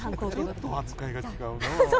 ちょっと扱いが違うな。